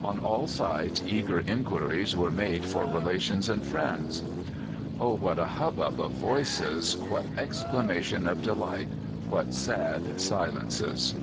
On all sides eager inquiries were made for relations and friends. Oh, what a hubbub of voices, what exclamations of delight, what sad silences!